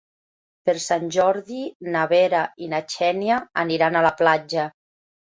Per Sant Jordi na Vera i na Xènia aniran a la platja.